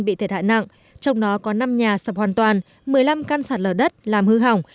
bị thiệt hại nặng trong đó có năm nhà sập hoàn toàn một mươi năm căn sạt lở đất làm hư hỏng